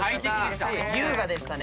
優雅でしたね。